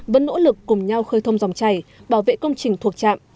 vẫn nỗ lực cùng nhau khơi thông dòng chảy bảo vệ công trình thuộc trạm